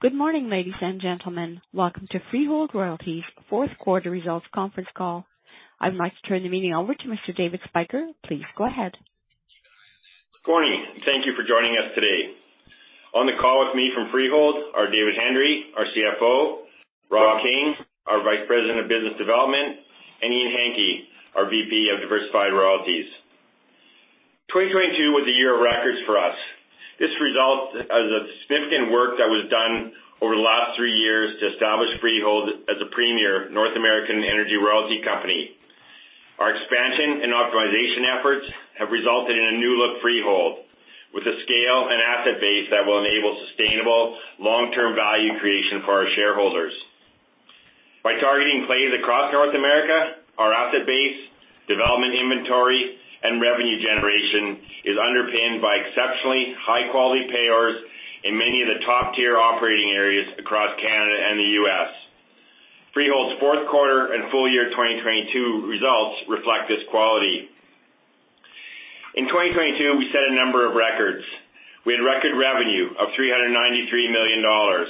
Good morning, ladies and gentlemen. Welcome to Freehold Royalties' Fourth Quarter Results Conference Call. I'd like to turn the meeting over to Mr. David Spyker. Please go ahead. Good morning, and thank you for joining us today. On the call with me from Freehold are David Hendry, our CFO, Rob King, our Vice President of Business Development, and Ian Hankey, our VP of Diversified Royalties. 2022 was a year of records for us. This result is of significant work that was done over the last three years to establish Freehold as a premier North American energy royalty company. Our expansion and optimization efforts have resulted in a new-look Freehold, with a scale and asset base that will enable sustainable long-term value creation for our shareholders. By targeting plays across North America, our asset base, development inventory, and revenue generation is underpinned by exceptionally high-quality payers in many of the top-tier operating areas across Canada and the U.S. Freehold's Q4 and full year 2022 results reflect this quality. In 2022, we set a number of records. We had record revenue of 393 million dollars.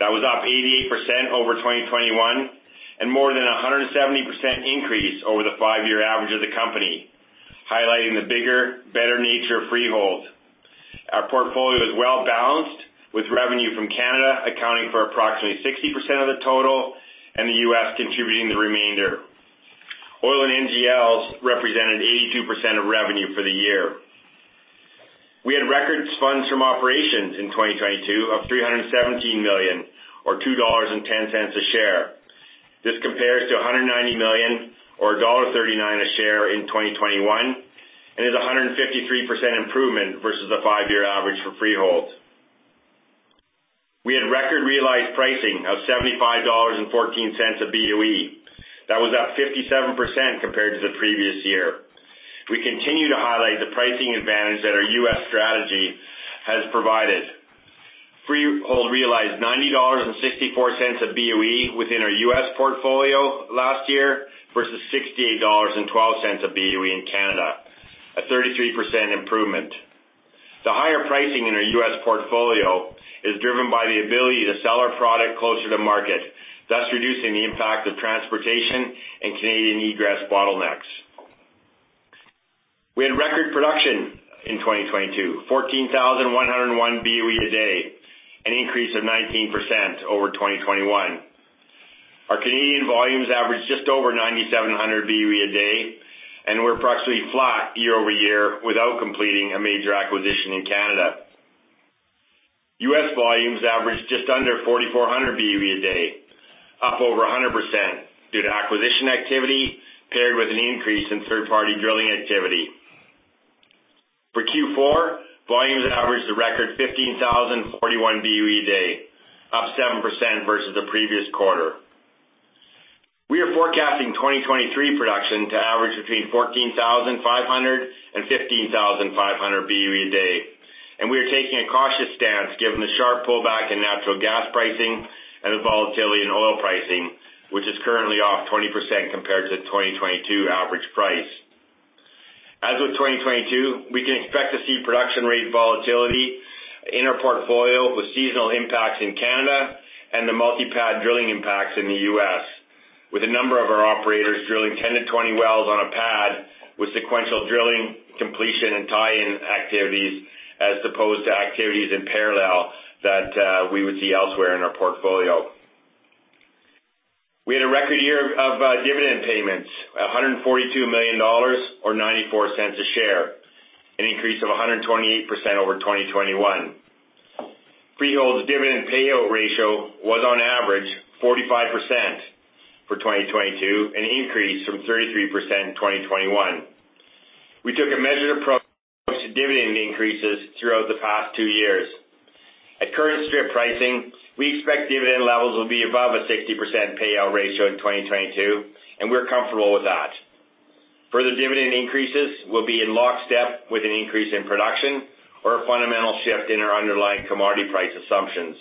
That was up 88% over 2021, and more than a 170% increase over the five year average of the company, highlighting the bigger, better nature of Freehold. Our portfolio is well-balanced, with revenue from Canada accounting for approximately 60% of the total and the U.S. contributing the remainder. Oil and NGLs represented 82% of revenue for the year. We had record funds from operations in 2022 of 317 million or 2.10 dollars a share. This compares to 190 million or dollar 1.39 a share in 2021, and is a 153% improvement versus the five year average for Freehold. We had record realized pricing of 75.14 dollars a BOE. That was up 57% compared to the previous year. We continue to highlight the pricing advantage that our US strategy has provided. Freehold realized $90.64 a BOE within our U.S. portfolio last year versus 68.12 dollars a BOE in Canada, a 33% improvement. The higher pricing in our US portfolio is driven by the ability to sell our product closer to market, thus reducing the impact of transportation and Canadian egress bottlenecks. We had record production in 2022, 14,101 BOE a day, an increase of 19% over 2021. Our Canadian volumes averaged just over 9,700 BOE a day, and we're approximately flat year-over-year without completing a major acquisition in Canada. U.S. volumes averaged just under 4,400 BOE a day, up over 100% due to acquisition activity paired with an increase in third-party drilling activity. For Q4, volumes averaged a record 15,041 BOE a day, up 7% versus the previous quarter. We are forecasting 2023 production to average between 14,500 and 15,500 BOE a day, and we are taking a cautious stance given the sharp pullback in natural gas pricing and the volatility in oil pricing, which is currently off 20% compared to 2022 average price. As with 2022, we can expect to see production rate volatility in our portfolio with seasonal impacts in Canada and the multi-pad drilling impacts in the U.S., with a number of our operators drilling 10 to 20 wells on a pad with sequential drilling completion and tie-in activities as opposed to activities in parallel that we would see elsewhere in our portfolio. We had a record year of dividend payments, $142 million or $0.94 a share, an increase of 128% over 2021. Freehold's dividend pay-out ratio was on average 45% for 2022, an increase from 33% in 2021. We took a measured approach to dividend increases throughout the past two years. At current strip pricing, we expect dividend levels will be above a 60% pay-out ratio in 2022, and we're comfortable with that. Further dividend increases will be in lockstep with an increase in production or a fundamental shift in our underlying commodity price assumptions.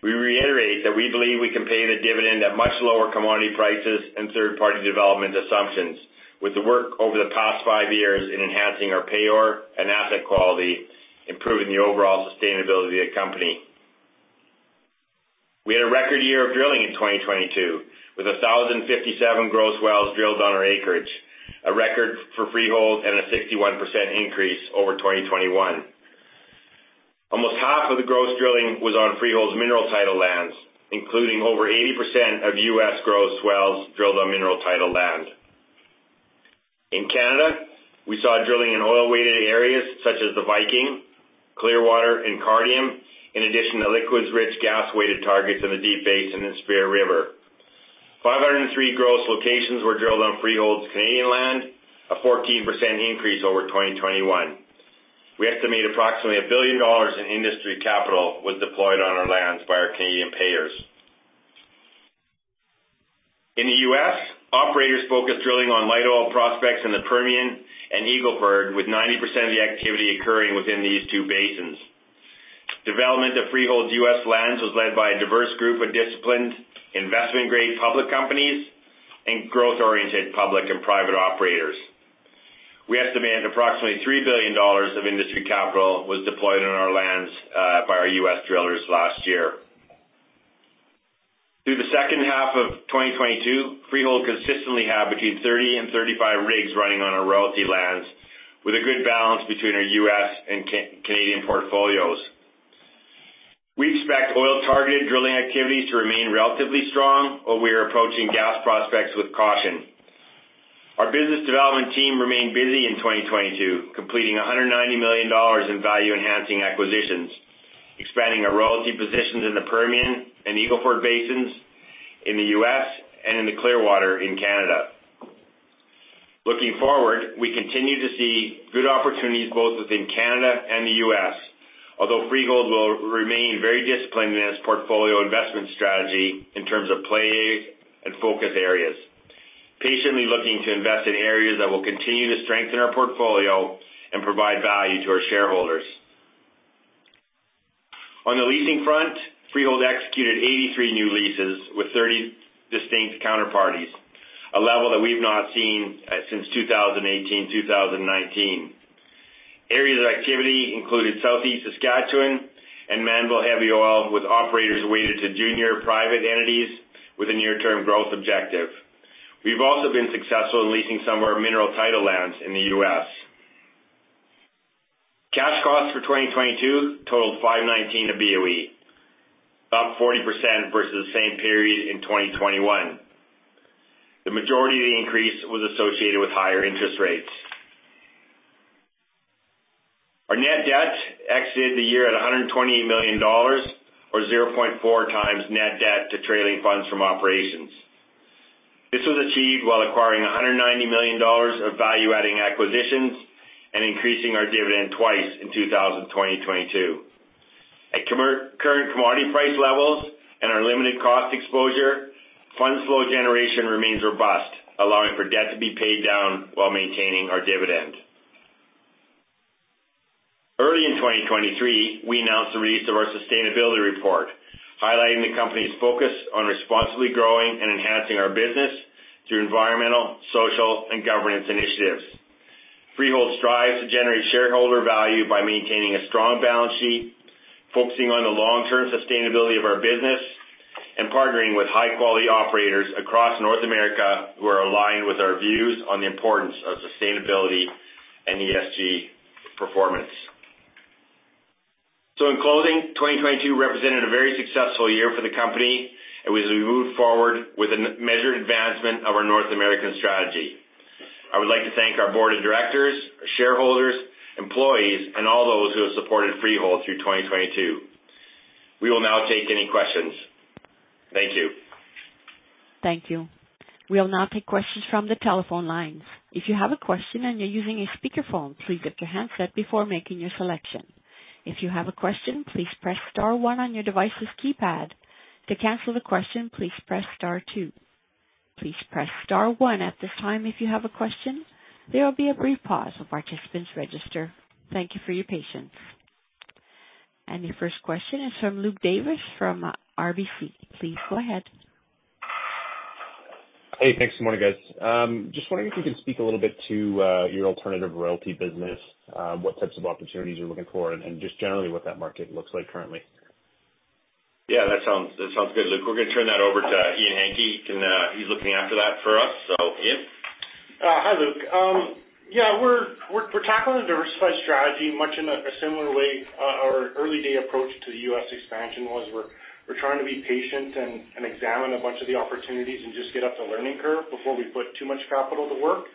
We reiterate that we believe we can pay the dividend at much lower commodity prices and third-party development assumptions with the work over the past five years in enhancing our payer and asset quality, improving the overall sustainability of the company. We had a record year of drilling in 2022 with 1,057 gross wells drilled on our acreage, a record for Freehold and a 61% increase over 2021. Almost half of the gross drilling was on Freehold's mineral title lands, including over 80% of U.S. gross wells drilled on mineral title land. In Canada, we saw drilling in oil-weighted areas such as the Viking, Clearwater, and Cardium, in addition to liquids-rich gas-weighted targets in the Deep Basin and Spear River. 503 gross locations were drilled on Freehold's Canadian land, a 14% increase over 2021. We estimate approximately 1 billion dollars in industry capital was deployed on our lands by our Canadian payers. In the U.S., operators focused drilling on light oil prospects in the Permian and Eagle Ford, with 90% of the activity occurring within these two basins. Development of Freehold's US lands was led by a diverse group of disciplined investment-grade public companies and growth-oriented public and private operators. We estimate approximately 3 billion dollars of industry capital was deployed on our lands by our U.S. drillers last year. Through the H2 of 2022, Freehold consistently had between 30 and 35 rigs running on our royalty lands with a good balance between our U.S. and Canadian portfolios. We expect oil-targeted drilling activities to remain relatively strong, but we are approaching gas prospects with caution. Our business development team remained busy in 2022, completing 190 million dollars in value-enhancing acquisitions, expanding our royalty positions in the Permian and Eagle Ford Basins in the U.S. and in the Clearwater in Canada. Looking forward, we continue to see good opportunities both within Canada and the U.S. although Freehold will remain very disciplined in its portfolio investment strategy in terms of play and focus areas, patiently looking to invest in areas that will continue to strengthen our portfolio and provide value to our shareholders. On the leasing front, Freehold executed 83 new leases with 30 distinct counterparties, a level that we've not seen since 2018, 2019. Areas of activity included Southeast, Saskatchewan, and Mannville heavy oil with operators weighted to junior private entities with a near-term growth objective. We've also been successful in leasing some of our mineral title lands in the U.S. Cash costs for 2022 totalled 5.19 a BOE, up 40% versus the same period in 2021. The majority of the increase was associated with higher interest rates. Our net debt exited the year at 120 million dollars or 0.4x net debt to trailing funds from operations. This was achieved while acquiring 190 million dollars of value-adding acquisitions and increasing our dividend twice in 2022. At current commodity price levels and our limited cost exposure, fund flow generation remains robust, allowing for debt to be paid down while maintaining our dividend. Early in 2023, we announced the release of our sustainability report, highlighting the company's focus on responsibly growing and enhancing our business through environmental, social, and governance initiatives. Freehold strives to generate shareholder value by maintaining a strong balance sheet, focusing on the long-term sustainability of our business, and partnering with high-quality operators across North America who are aligned with our views on the importance of sustainability and ESG performance. In closing, 2022 represented a very successful year for the company. We moved forward with a measured advancement of our North American strategy. I would like to thank our board of directors, our shareholders, employees, and all those who have supported Freehold through 2022. We will now take any questions. Thank you. Thank you. We'll now take questions from the telephone lines. If you have a question and you're using a speakerphone, please mute your handset before making your selection. If you have a question, please press star one on your device's keypad. To cancel the question, please press star two. Please press star one at this time if you have a question. There will be a brief pause while participants register. Thank you for your patience. Your first question is from Luke Davis from RBC. Please go ahead. Hey, thanks. Good morning, guys. Just wondering if you can speak a little bit to your alternative royalty business, what types of opportunities you're looking for and just generally what that market looks like currently? Yeah, that sounds good, Luke. We're gonna turn that over to Ian Hankey. He's looking after that for us. So, Ian? Hi, Luke. We're tackling a diversified strategy much in a similar way our early-day approach to the U.S. expansion was. We're trying to be patient and examine a bunch of the opportunities and just get up to learning curve before we put too much capital to work.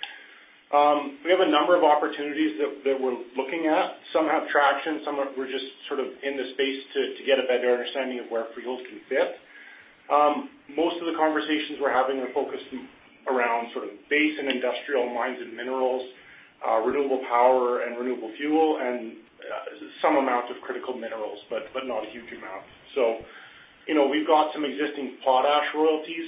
We have a number of opportunities that we're looking at. Some have traction, we're just in the space to get a better understanding of where Freehold can fit. Most of the conversations we're having are focused around sort of base and industrial mines and minerals, renewable power and renewable fuel and some amounts of critical minerals, but not a huge amount. You know, we've got some existing Potash Royalties.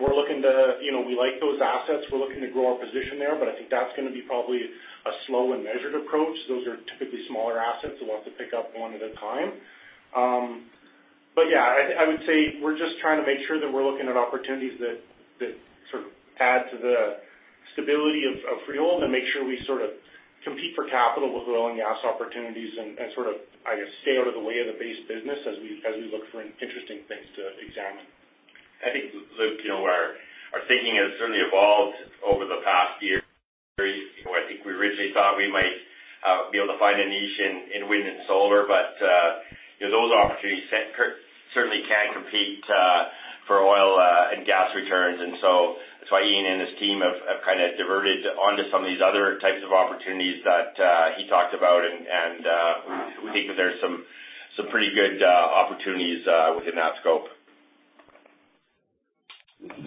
You know, we like those assets. We're looking to grow our position there, I think that's gonna be probably a slow and measured approach. Those are typically smaller assets. We'll have to pick up one at a time. Yeah. I would say we're just trying to make sure that we're looking at opportunities that add to the stability of Freehold and make sure we compete for capital with oil and gas opportunities and sort of, I guess, stay out of the way of the base business as we, as we look for interesting things to examine. I think, Luke, our thinking has certainly evolved over the past year. I think we originally thought we might be able to find a niche in wind and solar, but, you know, those opportunities certainly can't compete for oil and gas returns. That's why Ian and his team have diverted onto some of these other types of opportunities that he talked about. We think that there's some pretty good opportunities within that scope.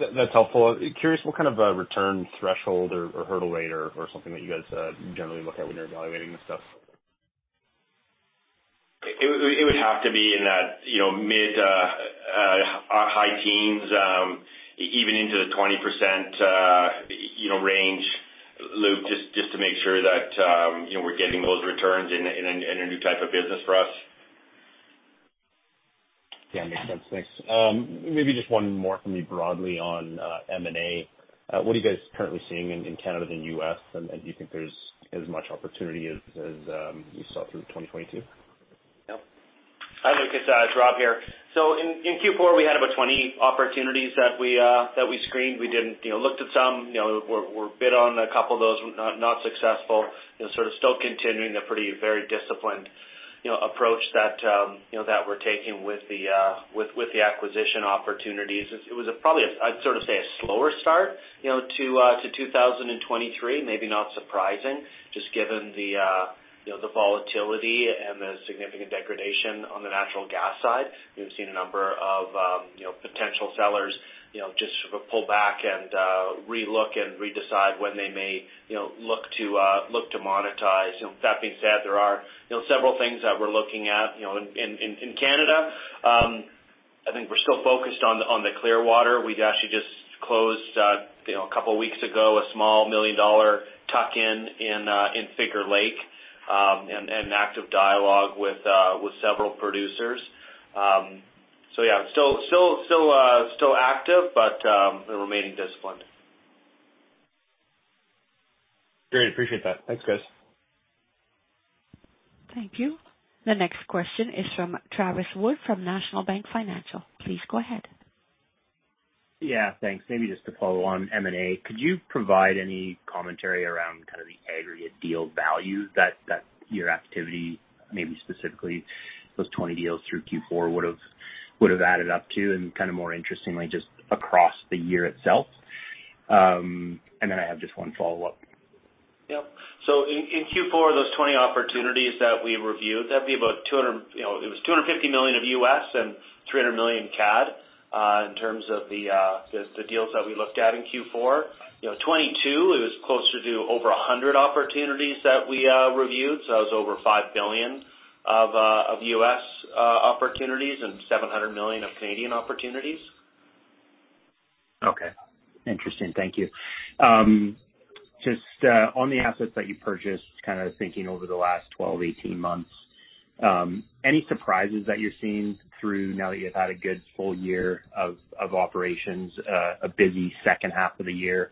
That's helpful. Curious, what kind of a return threshold or hurdle rate or something that you guys generally look at when you're evaluating this stuff? It would have to be in that, you know, mid, high teens, even into the 20% you know, range, Luke, just to make sure that, you know, we're getting those returns in a, in a, in a new type of business for us. Yeah, makes sense. Thanks. Maybe just one more for me broadly on M&A. What are you guys currently seeing in Canada and U.S., and do you think there's as much opportunity as you saw through 2022? Yep. Hi, Lucas. It's Rob here. In Q4, we had about 20 opportunities that we screened. You know, looked at some, you know, bid on a couple of those, not successful. You know, still continuing a pretty, very disciplined, you know, approach that, you know, we're taking with the acquisition opportunities. I'd say a slower start, you know, to 2023. Maybe not surprising just given the, you know, volatility and the significant degradation on the natural gas side. We've seen a number of, you know, potential sellers, you know, just sort of pull back and re-look and re-decide when they may, you know, look to monetize. You know, that being said, there are, you know, several things that we're looking at, you know, in Canada. I think we're still focused on the Clearwater. We've actually just closed, you know, a couple weeks ago, a small million-dollar tuck-in, in Figure Lake, and active dialogue with several producers. Yeah, still active, but remaining disciplined. Great. Appreciate that. Thanks, guys. Thank you. The next question is from Travis Wood from National Bank Financial. Please go ahead. Yeah, thanks. Maybe just to follow on M&A. Could you provide any commentary around the aggregate deal value that your activity, maybe specifically those 20 deals through Q4 would've added up to? Kind of more interestingly, just across the year itself. I have just one follow-up. In, in Q4, those 20 opportunities that we reviewed, that'd be about $250 million of U.S. and 300 million CAD, in terms of the deals that we looked at in Q4. You know, 2022, it was closer to over 100 opportunities that we reviewed. That was over $5 billion of U.S. opportunities and 700 million of Canadian opportunities. Okay. Interesting. Thank you. Just on the assets that you purchased, kind of thinking over the last 12, 18 months, any surprises that you're seeing through now that you've had a good full year of operations, a busy H2 of the year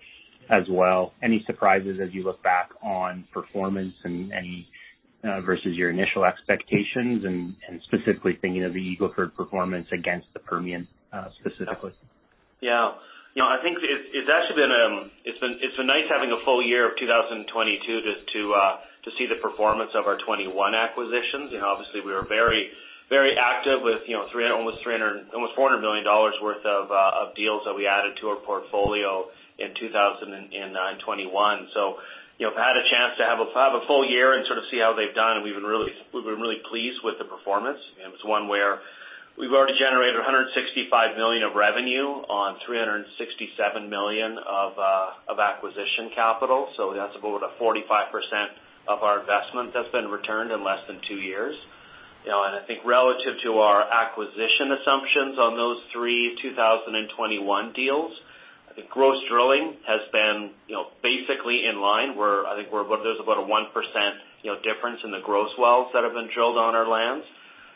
as well? Any surprises as you look back on performance and any versus your initial expectations and specifically thinking of the Eagle Ford performance against the Permian, specifically? You know, I think it's actually been nice having a full year of 2022 just to see the performance of our 2021 acquisitions. You know, obviously, we were very active with, you know, almost 400 million dollars worth of deals that we added to our portfolio in 2021. You know, I've had a chance to have a full year and sort of see how they've done, and we've been really pleased with the performance. It's one where we've already generated 165 million of revenue on 367 million of acquisition capital. That's about a 45% of our investment that's been returned in less than two years. You know, I think relative to our acquisition assumptions on those three 2021 deals, the gross drilling has been, you know, basically in line. I think we're about, there's about a 1%, you know, difference in the gross wells that have been drilled on our lands.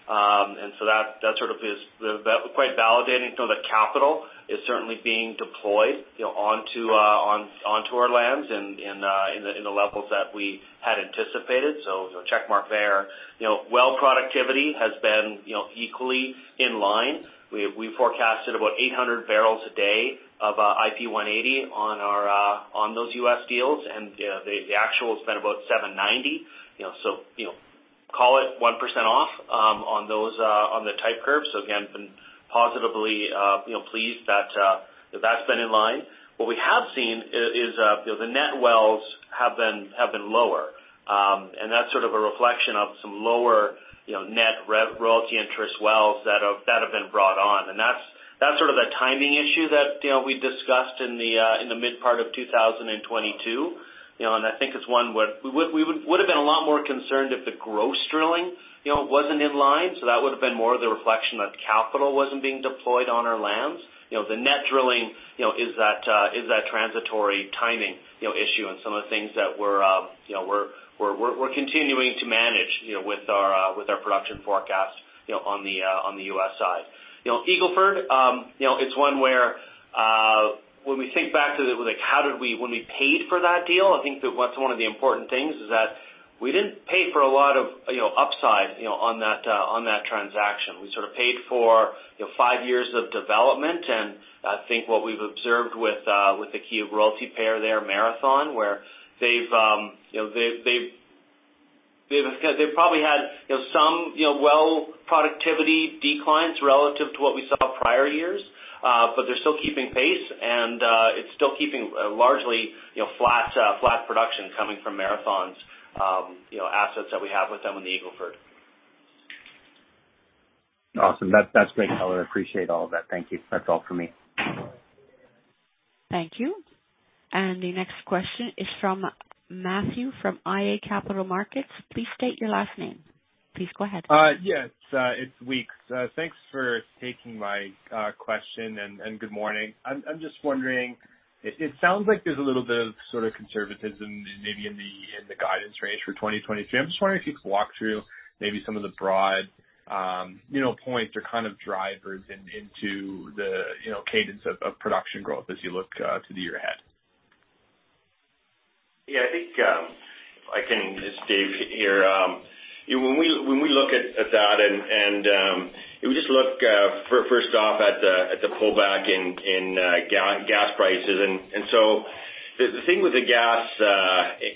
That, that sort of is the. Quite validating to know that capital is certainly being deployed, you know, onto our lands and, in the levels that we had anticipated. Check mark there. You know, well productivity has been, you know, equally in line. We, we forecasted about 800 barrels a day of IP180 on our U.S. deals, and, you know, the actual has been about 790. You know, so, you know, call it 1% off on those on the type curves. Again, been positively, you know, pleased that that's been in line. What we have seen is, you know, the net wells have been lower. That's sort of a reflection of some lower, you know, net royalty interest wells that have been brought on. That's sort of the timing issue that, you know, we discussed in the mid part of 2022. You know, I think it's one where we would've been a lot more concerned if the gross drilling, you know, wasn't in line, so that would've been more of the reflection that capital wasn't being deployed on our lands. You know, the net drilling, you know, is that transitory timing, you know, issue and some of the things that we're, you know, we're continuing to manage, you know, with our production forecast, you know, on the U.S. side. You know, Eagle Ford, you know, it's one where when we think back to the... When we paid for that deal, I think what's one of the important things is that we didn't pay for a lot of, you know, upside, you know, on that transaction. We paid for, you know, five years of development. I think what we've observed with the key royalty payer there, Marathon, where they've, you know, they probably had, you know, some, you know, well productivity declines relative to what we saw prior years. They're still keeping pace and, it's still keeping largely, you know, flat production coming from Marathon's, you know, assets that we have with them in the Eagle Ford. Awesome. That's great, Rob. Appreciate all of that. Thank you. That's all for me. Thank you. The next question is from Matthew from iA Capital Markets. Please state your last name. Please go ahead. Yes, it's Weekes. Thanks for taking my question, and good morning. I'm just wondering, it sounds like there's a little bit of sort of conservatism maybe in the guidance range for 2023. I'm just wondering if you could walk through maybe some of the broad, you know, points or kind of drivers into the, you know, cadence of production growth as you look to the year ahead. I think, It's Dave here. You know, when we look at that and we just look first off at the pullback in gas prices. The thing with the gas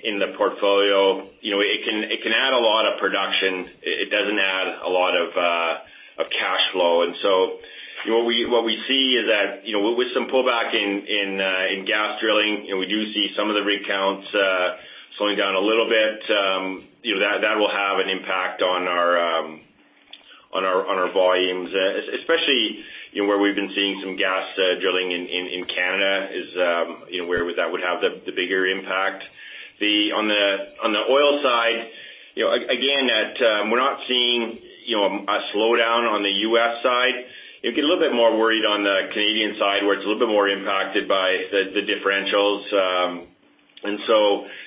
in the portfolio, you know, it can add a lot of production. It doesn't add a lot of cash flow. What we see is that, you know, with some pullback in gas drilling, you know, we do see some of the rig counts slowing down a little bit. You know, that will have an impact on our volumes, especially, you know, where we've been seeing some gas drilling in Canada is, you know, where that would have the bigger impact. On the oil side, you know, again, that we're not seeing, you know, a slowdown on the U.S. side. You get a little bit more worried on the Canadian side, where it's a little bit more impacted by the differentials.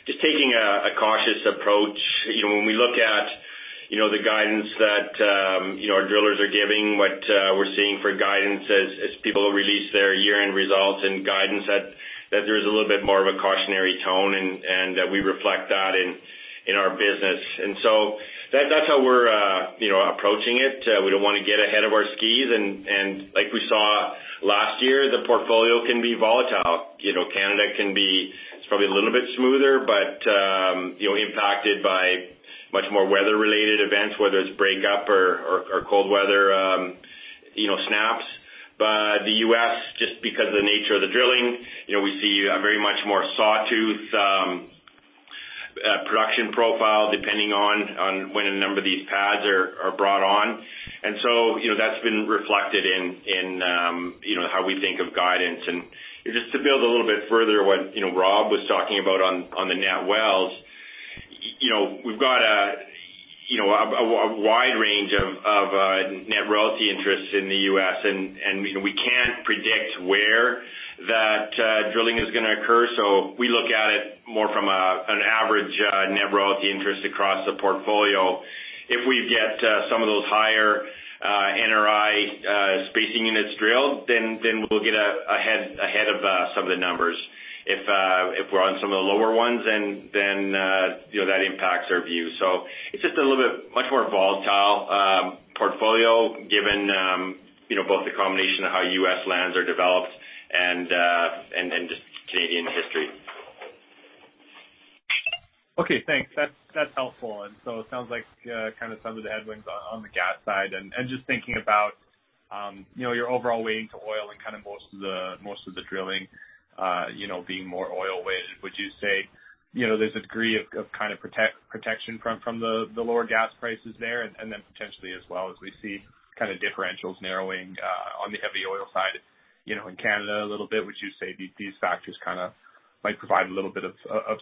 Just taking a cautious approach. You know, when we look at, you know, the guidance that, you know, our drillers are giving, what, we're seeing for guidance as people release their year-end results and guidance, that there is a little bit more of a cautionary tone and that we reflect that in our business. That's how we're, you know, approaching it. We don't wanna get ahead of our skis. Like we saw last year, the portfolio can be volatile. You know, Canada can be. It's probably a little bit smoother, but, you know, impacted by much more weather-related events, whether it's break up or cold weather, you know, snaps. The U.S., just because of the nature of the drilling, you know, we see a very much more Sawtooth production profile depending on when a number of these pads are brought on. You know, that's been reflected in, you know, how we think of guidance. Just to build a little bit further what, you know, Rob was talking about on the net wells, you know, we've got a, you know, a wide range of net royalty interests in the U.S. We can't predict where that drilling is gonna occur. We look at it more from an average net royalty interest across the portfolio. If we get some of those higher NRI spacing units drilled, then we'll get ahead of some of the numbers. If we're on some of the lower ones, then, you know, that impacts our view. It's just a little bit much more volatile, portfolio given, you know, both the combination of how U.S. lands are developed and just Canadian history. Okay, thanks. That's helpful. It sounds like kind of some of the headwinds on the gas side. Just thinking about, you know, your overall weight into oil and kind of most of the drilling, you know, being more oil-weighted, would you say, you know, there's a degree of kind of protection from the lower gas prices there? Then potentially as well as we see kind of differentials narrowing on the heavy oil side, you know, in Canada a little bit. Would you say these factors kind of might provide a little bit of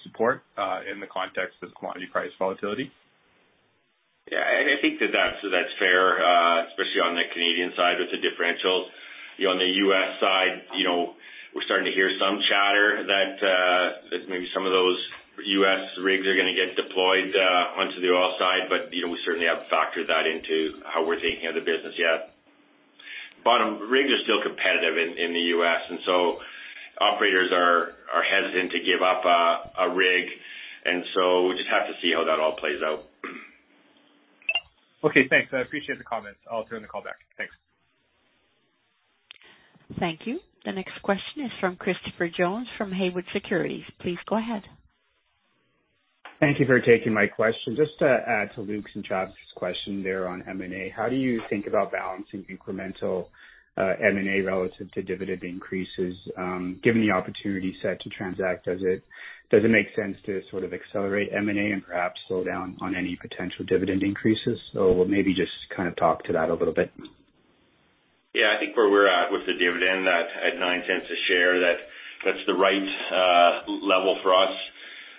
support in the context of the commodity price volatility? Yeah. I think that that's fair, especially on the Canadian side with the differentials. You know, on the U.S. side, you know, we're starting to hear some chatter that maybe some of those U.S. rigs are gonna get deployed onto the oil side. You know, we certainly haven't factored that into how we're thinking of the business yet. Bottom rigs are still competitive in the U.S., and so operators are hesitant to give up a rig, and so we just have to see how that all plays out. Okay, thanks. I appreciate the comments. I'll turn the call back. Thanks. Thank you. The next question is from Christopher Jones from Haywood Securities. Please go ahead. Thank you for taking my question. Just to add to Luke's and Josh's question there on M&A. How do you think about balancing incremental M&A relative to dividend increases, given the opportunity set to transact? Does it, does it make sense to sort of accelerate M&A and perhaps slow down on any potential dividend increases? Maybe just kind of talk to that a little bit. I think where we're at with the dividend at 0.09 a share, that that's the right level for us,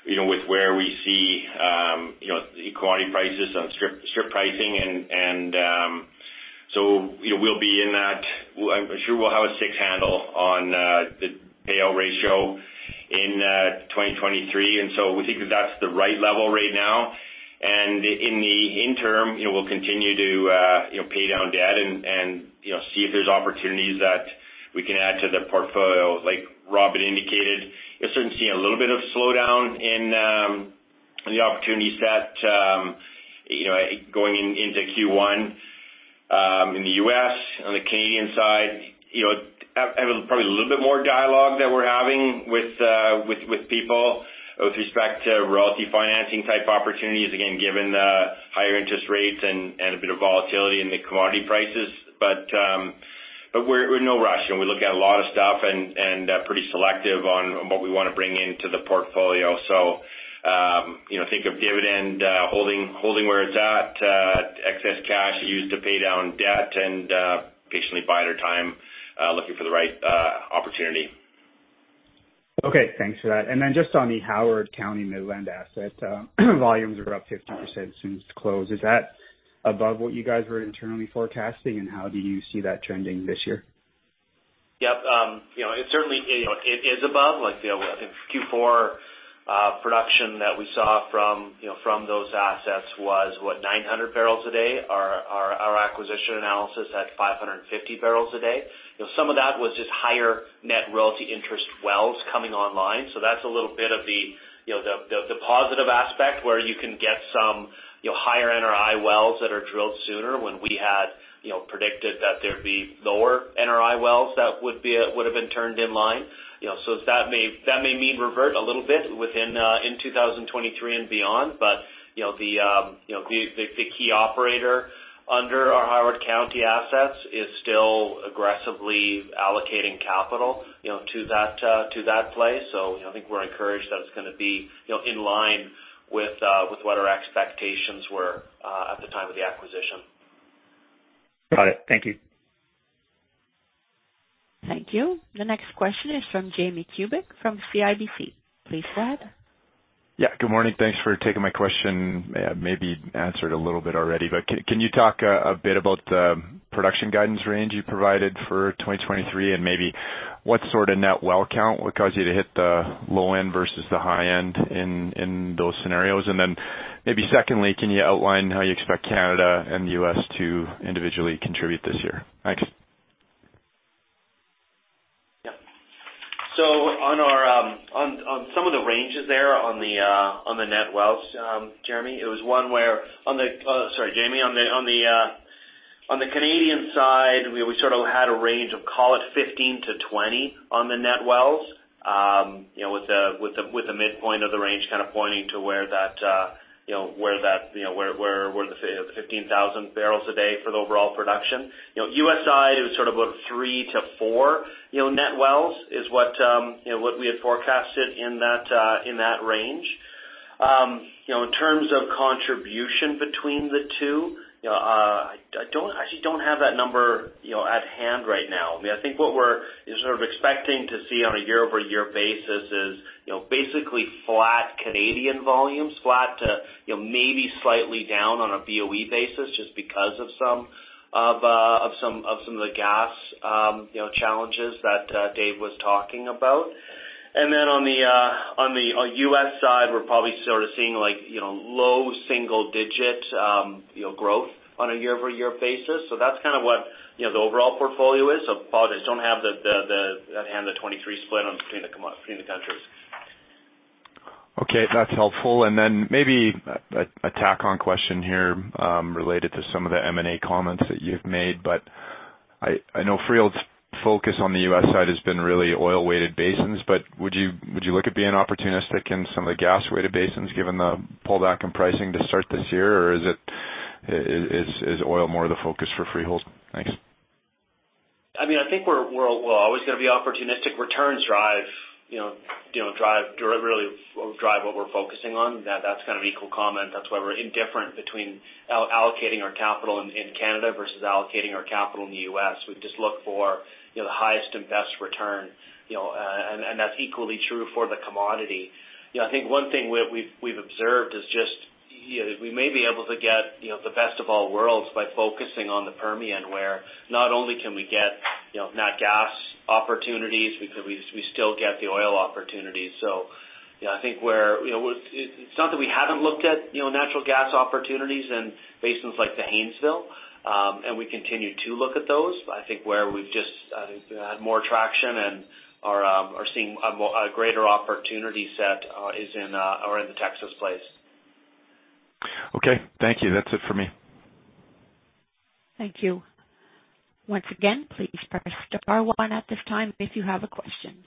you know, with where we see, you know, commodity prices on strip pricing. So, you know, we'll be in that. I'm sure we'll have a safe handle on the pay-out ratio in 2023. So we think that that's the right level right now. In the interim, you know, we'll c.ontinue to, you know, pay down debt and, you know, see if there's opportunities that we can add to the portfolio. Like Rob had indicated, you're starting to see a little bit of slowdown in the opportunity set, you know, going into Q1 in the U.S. On the Canadian side, you know, have probably a little bit more dialogue that we're having with people with respect to royalty financing type opportunities, again, given the higher interest rates and a bit of volatility in the commodity prices. We're in no rush, and we look at a lot of stuff and pretty selective on what we wanna bring into the portfolio. You know, think of dividend holding where it's at, excess cash used to pay down debt and patiently buying the time looking for the right opportunity. Okay, thanks for that. Just on the Howard County Midland asset, volumes are up 15% since close. Is that above what you guys were internally forecasting and how do you see that trending this year? Yep. You know, it certainly, you know, it is above. Like, you know, in Q4, production that we saw from, you know, from those assets was what? 900 barrels a day. Our acquisition analysis at 550 barrels a day. You know, some of that was just higher net royalty interest wells coming online. That's a little bit of the, you know, the, the positive aspect where you can get some, you know, higher NRI wells that are drilled sooner when we had, you know, predicted that there'd be lower NRI wells that would be, would have been turned in line. You know, that may, that may mean revert a little bit within, in 2023 and beyond. You know, the, you know, the, the key operator under our Howard County assets is still aggressively allocating capital, you know, to that, to that place. you know, I think we're encouraged that it's gonna be, you know, in line with what our expectations were, at the time of the acquisition. Got it. Thank you. Thank you. The next question is from Jamie Kubik from CIBC. Please go ahead. Yeah. Good morning. Thanks for taking my question. maybe answered a little bit already, but can you talk a bit about the production guidance range you provided for 2023 and maybe what sort of net well count would cause you to hit the low end versus the high end in those scenarios? Then maybe secondly, can you outline how you expect Canada and the U.S. to individually contribute this year? Thanks. On our, on some of the ranges there on the net wells, Jamie, it was one where sorry, Jamie. On the Canadian side, we had a range of call it 15-20 on the net wells. You know, with the midpoint of the range pointing to where that, you know, where that, you know, where the 15,000 barrels a day for the overall production. You know, U.S. side, it was sort of about 3-4, you know, net wells is what we had forecasted in that, in that range. You know, in terms of contribution between the two, you know, I actually don't have that number, you know, at hand right now. I mean, I think what we're sort of expecting to see on a year-over-year basis is, you know, basically flat Canadian volumes. Flat to, you know, maybe slightly down on a BOE basis just because of some of, some of the gas, you know, challenges that Dave was talking about. On the U.S. side, we're probably sort of seeing like, you know, low single digit, you know, growth on a year-over-year basis. That's kind of what, you know, the overall portfolio is. Apologies, don't have the at hand the 23 split on between the countries. Okay. That's helpful. Maybe a tack-on question here, related to some of the M&A comments that you've made. I know Freehold's focus on the U.S. side has been really oil-weighted basins, but would you look at being opportunistic in some of the gas-weighted basins given the pullback in pricing to start this year? Is oil more the focus for Freehold? Thanks. I mean, I think we're, we'll always gonna be opportunistic. Returns drive, you know, really drive what we're focusing on. That's kind of equal comment. That's why we're indifferent between allocating our capital in Canada versus allocating our capital in the U.S. We just look for, you know, the highest and best return, you know, and that's equally true for the commodity. You know, I think one thing we've observed is just, you know, we may be able to get, you know, the best of all worlds by focusing on the Permian, where not only can we get, you know, Nat-Gas opportunities, we still get the oil opportunities. You know, I think we're. It's not that we haven't looked at, you know, natural gas opportunities in basins like the Haynesville, and we continue to look at those. I think where we've just, I think had more traction and are seeing a greater opportunity set, is in, are in the Texas place. Okay. Thank you. That's it for me. Thank you. Once again, please press star one at this time if you have a question.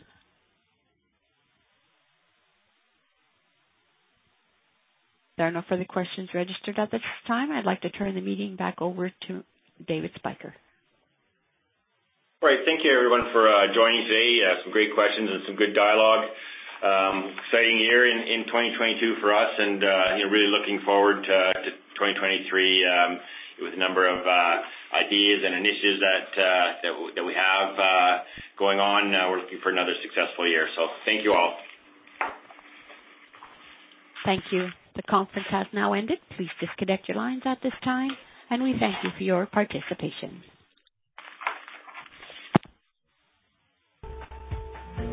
There are no further questions registered at this time. I'd like to turn the meeting back over to David Spyker. All right. Thank you everyone for joining today. Some great questions and some good dialogue. Exciting year in 2022 for us and, you know, really looking forward to 2023, with a number of ideas and initiatives that we have going on. We're looking for another successful year. Thank you all. Thank you. The conference has now ended. Please disconnect your lines at this time, and we thank you for your participation.